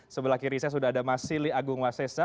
sebelah kiri saya sudah ada mas sili agung wasesa